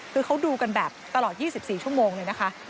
คือเขาดูกันแบบตลอด๒๔ชั่วโมงเลยนะคะ